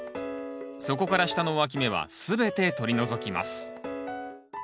そこから下のわき芽は全て取り除きます